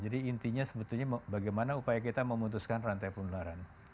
jadi intinya sebetulnya bagaimana upaya kita memutuskan rantai penularan